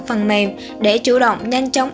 phần mềm để chủ động nhanh chóng